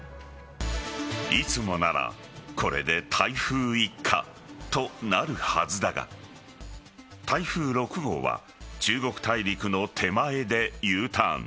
いつもなら、これで台風一過となるはずだが台風６号は中国大陸の手前でＵターン。